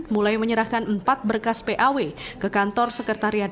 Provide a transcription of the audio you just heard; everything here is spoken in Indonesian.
mulai menyerahkan empat berkas paw ke kantor sekretariat